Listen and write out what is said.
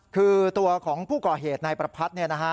คือตัวของผู้ก่อเหตุนายประพัทย์